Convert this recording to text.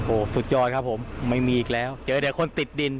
โหสุดยอดครับผมไม่มีอีกแล้วเจอเดี๋ยวคนติดดิน